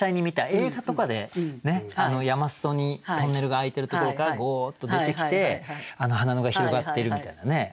映画とかで山裾にトンネルが開いてるところからゴーッと出てきて花野が広がってるみたいなね